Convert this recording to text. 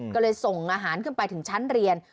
ก็เลยส่งอาหารขึ้นไปถึงชั้นเรียน